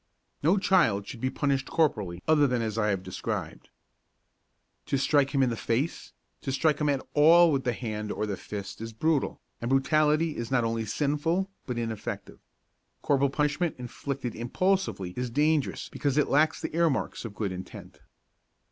No child should be punished corporally other than as I have described. To strike him in the face, to strike him at all with the hand or fist is brutal, and brutality is not only sinful but ineffective. Corporal punishment inflicted impulsively is dangerous because it lacks the earmarks of good intent.